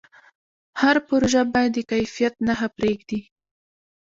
هر پروژه باید د کیفیت نښه پرېږدي.